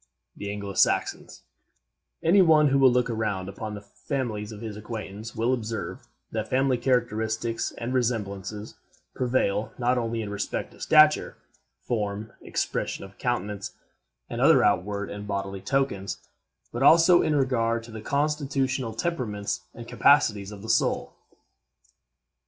THE ANGLO SAXONS Any one who will look around upon the families of his acquaintance will observe that family characteristics and resemblances prevail not only in respect to stature, form, expression of countenance, and other outward and bodily tokens, but also in regard to the constitutional temperaments and capacities of the soul.